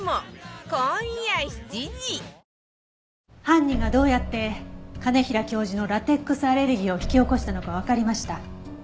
犯人がどうやって兼平教授のラテックスアレルギーを引き起こしたのかわかりました。